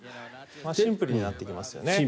シンプルになってきますよね。